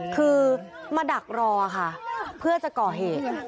คือมาดักรอค่ะเพื่อจะก่อเหตุ